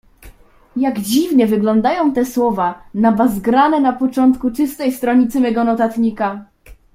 "Jak dziwnie wyglądają te słowa nabazgrane na początku czystej stronicy mego notatnika!"